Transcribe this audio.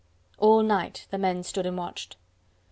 All night the men stood and watched.